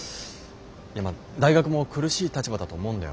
いや大学も苦しい立場だと思うんだよ。